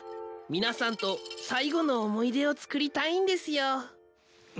皆さんと最後の思い出をつくりたいんですよ。